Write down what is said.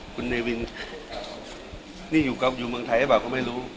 คุณเนวินนี่อยู่กับอยู่เมืองไทยหรือเปล่าก็ไม่รู้